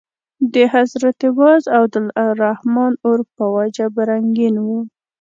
د حضرت باز او عبدالرحمن اور په وجه به رنګین وو.